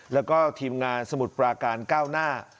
แล้วก็ทีมงานสมุทรปราการก้าวหน้า